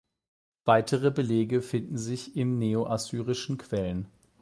Weitere Belege finden sich in neo-assyrischen Quellen.